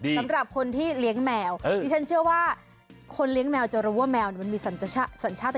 สำหรับคนที่เลี้ยงแมวดิฉันเชื่อว่าคนเลี้ยงแมวจะรู้ว่าแมวมันมีสัญชาติ